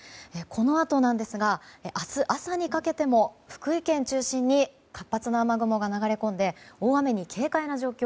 このあとなんですが明日朝にかけても福井県中心に活発な雨雲が流れ込んで大雨に警戒な状況